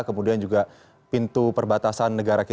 kemudian juga pintu perbatasan negara kita